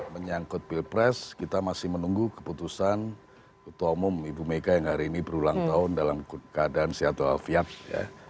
menyangkut pilpres kita masih menunggu keputusan ketua umum ibu mega yang hari ini berulang tahun dalam keadaan sehat wafiat ya